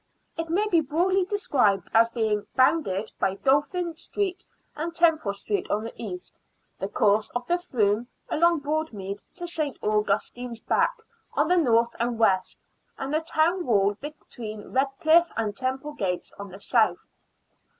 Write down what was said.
It may be broadly described as being bounded by Dolphin Street and Temple Street on the east, the course of the Froom along Broadmead to St. Augustine's Back on the north and west, and the town wall between Redcliff and Temple Gates on the south.